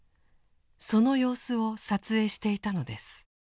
その様子を撮影していたのです。